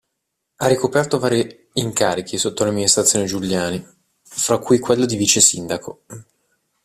Ha ricoperto vari incarichi sotto l'amministrazione Giuliani, fra cui quello di vice sindaco.